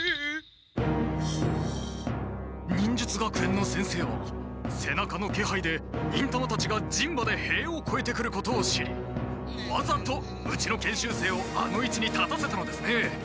ほう忍術学園の先生はせなかの気配で忍たまたちが人馬で塀をこえてくることを知りわざとうちの研修生をあのいちに立たせたのですね！